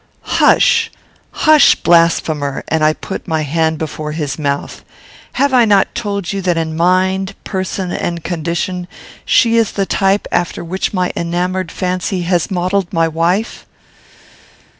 "Hush! hush! blasphemer!" (and I put my hand before his mouth) "have I not told you that in mind, person, and condition, she is the type after which my enamoured fancy has modelled my wife?"